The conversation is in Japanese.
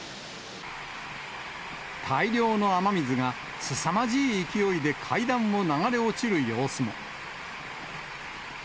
大量の雨水が、すさまじい勢いで階段を流れ落ちる様子も。